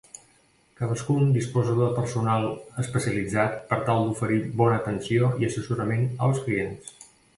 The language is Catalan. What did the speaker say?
Cadascun disposa de personal especialitzat per tal d'oferir bona atenció i assessorament als clients.